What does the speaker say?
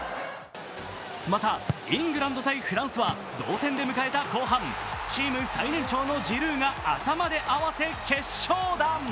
また、イングランド×フランスは同点で迎えた後半、チーム最年長のジルーが頭で合わせ決勝弾。